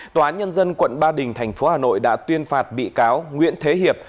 tòa án nhân dân quận ba đình thành phố hà nội đã tuyên phạt bị cáo nguyễn thế hiệp